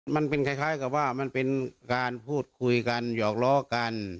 มันเป็นคล้ายกับว่ามันเป็นการพูดคุยกันหยอกล้อกัน